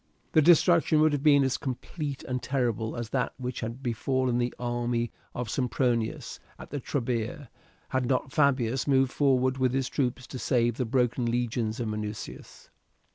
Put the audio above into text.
Their destruction would have been as complete and terrible as that which had befallen the army of Sempronius at the Trebia, had not Fabius moved forward with his troops to save the broken legions of Minucius.